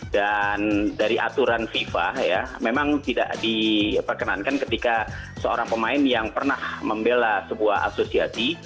dan dari aturan fifa memang tidak diperkenankan ketika seorang pemain yang pernah membela sebuah asosiasi